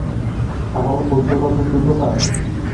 সামান্য - কৌশলগত দ্রুততা?